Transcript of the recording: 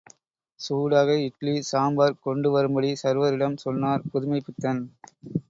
சூடாக இட்லி, சாம்பார் கொண்டு வரும்படி சர்வரிடம் சொன்னார் புதுமைப் பித்தன்.